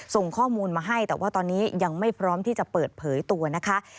ส่งข้อมูลมาให้แต่ว่าตอนนี้ยังไม่พร้อมที่จะเปิดเผยตัวนะคะ